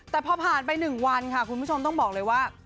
แต่พอผ่านไป๑วันค่ะคุณผู้ชมต้องบอกเลยว่า